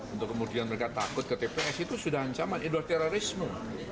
untuk kemudian mereka takut ke tps itu sudah ancaman itu terorisme